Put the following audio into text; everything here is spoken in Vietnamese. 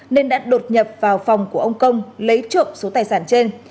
nên đã đột nhập vào phòng của ông công lấy trộm số tài sản trên